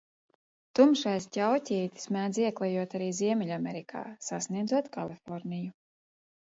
Tumšais ķauķītis mēdz ieklejot arī Ziemeļamerikā, sasniedzot Kaliforniju.